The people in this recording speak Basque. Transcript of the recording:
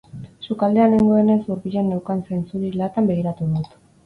Sukaldean nengoenez hurbilen neukan zainzuri latan begiratu dut.